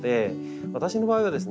私の場合はですね